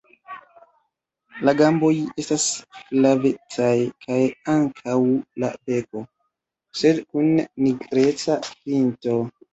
La gamboj estas flavecaj kaj ankaŭ la beko, sed kun nigreca pinto.